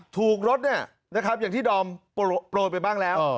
ถูกรถเนี่ยนะครับอย่างที่ดอมโปรดไปบ้างแล้ว